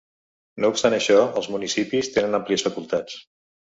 No obstant això, els municipis tenen àmplies facultats.